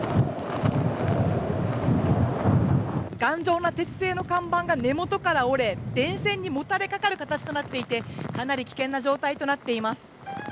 頑丈な鉄製の看板が根元から折れ電線にもたれかかる形となっていてかなり危険な状態となっています。